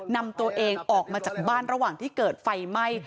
นำตัวเองออกมาจากบ้านระหว่างที่เกิดไฟไหม้